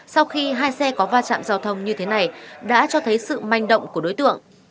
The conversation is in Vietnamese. sau khi hai xe có va chạm giao thông như thế này đã cho thấy sự manh động của đối tượng